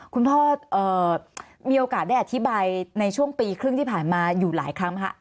คุณพ่อมีโอกาสได้อธิบายในช่วงปีครึ่งที่ผ่านมาอยู่หลายครั้งฮะ